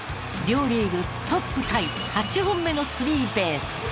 両リーグトップタイ８本目のスリーベース。